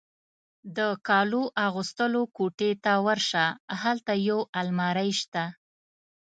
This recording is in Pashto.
د کالو اغوستلو کوټې ته ورشه، هلته یو المارۍ شته.